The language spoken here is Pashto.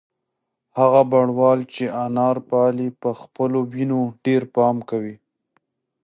هغه بڼوال چې انار پالي په خپلو ونو ډېر پام کوي.